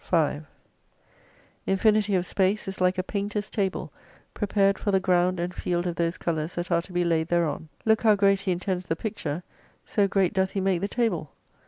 5 Infinity of space is like a painter's table, prepared for the ground and field of those colours that are to be laid thereon. Look how great he intends the picture, so great doth he make the table.